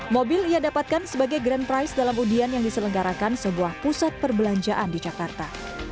mobil ia dapatkan sebagai grand prize dalam undian yang diselenggarakan sebuah pusat perbelanjaan di jakarta